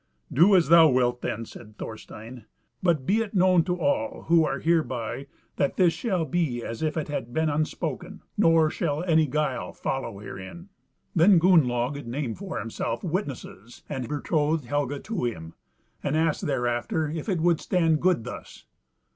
"Do as thou wilt, then," said Thorstein; "but be it known to all who are hereby that this shall be as if it had been unspoken, nor shall any guile follow herein." Then Gunnlaug named for himself witnesses, and betrothed Helga to him, and asked thereafter if it would stand good thus.